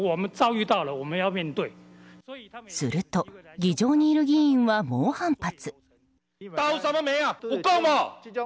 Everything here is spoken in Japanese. すると議場にいる議員は猛反発。